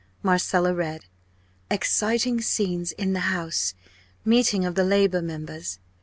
Marcella read: "EXCITING SCENES IN THE HOUSE. MEETING OF THE LABOUR MEMBERS.